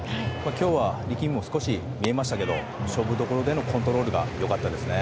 今日は力みも少し見えましたが勝負どころでのコントロールが良かったですね。